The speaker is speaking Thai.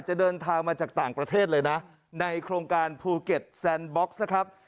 จะเดินทางมาจากต่างประเทศเลยนะในโครงการภูเก็ตแซนบ็อกซ์นะครับ